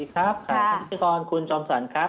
ครับคุณพิธีกรคุณจอมฝันครับ